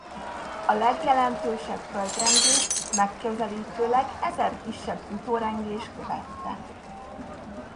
A legjelentősebb földrengést megközelítőleg ezer kisebb utórengés követte.